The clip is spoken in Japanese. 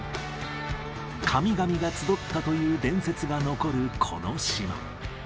神々が集ったという伝説が残るこの島。